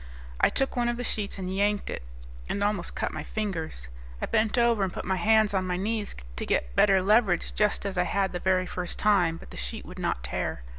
I took one of the sheets and yanked it, and almost cut my fingers. I bent over and put my hands on my knees to get better leverage just as I had the very first time, but the sheet would not tear.